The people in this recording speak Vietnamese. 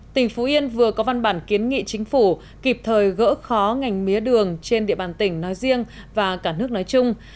tỉnh phú yên vừa có văn bản kiến nghị chính phủ kịp thời gỡ khó ngành mía đường trên địa bàn tỉnh nói riêng và cả nước nói chung